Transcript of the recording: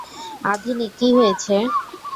আধিনি, কী হয়েছে?